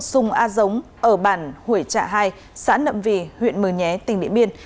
sùng a giống ở bản hủy trạ hai xã nậm vì huyện mường nhé tỉnh điện biên